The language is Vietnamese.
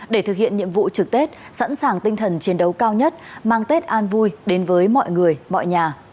để thực hiện nhiệm vụ trực tết sẵn sàng tinh thần chiến đấu cao nhất mang tết an vui đến với mọi người mọi nhà